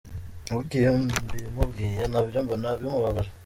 Ariko iyo mbimubwiye nabyo mbona bimubabaje.